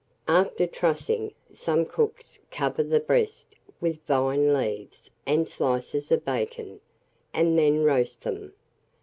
After trussing, some cooks cover the breast with vine leaves and slices of bacon, and then roast them.